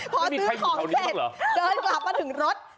พอซื้อของเสร็จเดินกลับมาถึงรถ